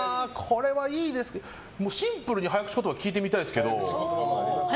シンプルに早口言葉聞いてみたいですけど。